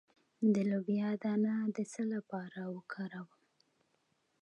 د لوبیا دانه د څه لپاره وکاروم؟